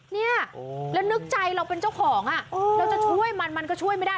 เนี่ยแล้วนึกใจเราเป็นเจ้าของอ่ะเราจะช่วยมันมันก็ช่วยไม่ได้